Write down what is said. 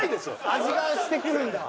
味がしてくるんだ。